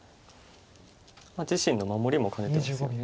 自身の守りも兼ねてますよね。